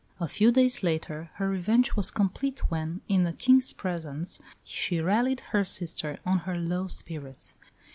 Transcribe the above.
A few days later her revenge was complete when, in the King's presence, she rallied her sister on her low spirits.